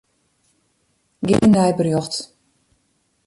Gean nei berjocht.